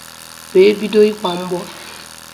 wee bido ịkwà mgbọ